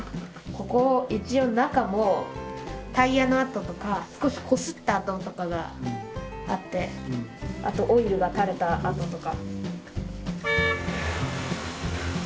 ここ一応中もタイヤの跡とか少しこすった跡とかがあってあとオイルがたれた跡とか。